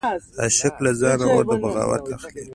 عشق له ځانه اور د بغاوت اخلي